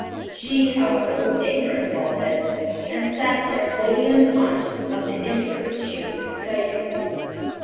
She, however, was ignorant of all this, and sat there wholly unconscious of the interest she was exciting.